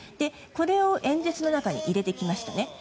これを演説の中に入れてきましたね。